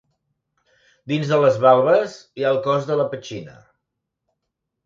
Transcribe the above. Dins de les valves hi ha el cos de la petxina.